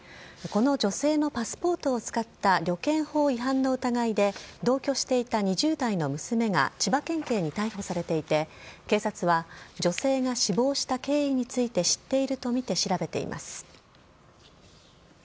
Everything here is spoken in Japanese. この女性のパスポートを使った旅券法違反の疑いで、同居していた２０代の娘が千葉県警に逮捕されていて、警察は女性が死亡した経緯について知っていると見て、調べています。